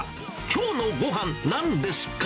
きょうのごはん、なんですか？